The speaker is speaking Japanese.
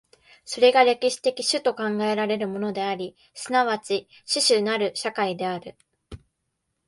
それが歴史的種と考えられるものであり、即ち種々なる社会である。